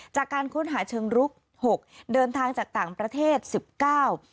จากการค้นหาเชิงรุกหกเดินทางจากต่างประเทศสิบเก้า